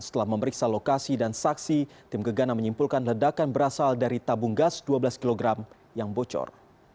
setelah memeriksa lokasi dan saksi tim gegana menyimpulkan ledakan berasal dari tabung gas dua belas kg yang bocor